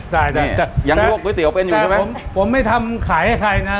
ใช่แต่ยังลวกก๋วยเตี๋ยวเป็นอยู่ใช่ไหมผมผมไม่ทำขายให้ใครนะ